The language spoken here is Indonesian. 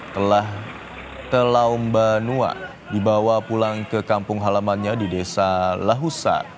telah telaumbanua dibawa pulang ke kampung halamannya di desa lahusa